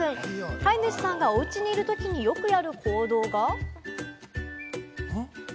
飼い主さんがおうちにいるときによくやる行動が。